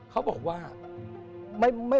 เขาบอกว่า